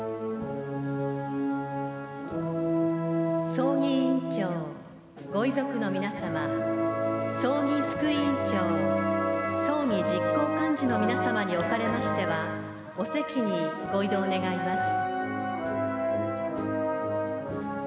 葬儀委員長、ご遺族の皆様葬儀副委員長、葬儀実行幹事の皆様におかれましてはお席にご移動願います。